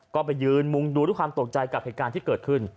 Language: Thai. ก็ไปยืนมุงดูด้วยความตกใจกับเหตุการณ์ที่เกิดขึ้น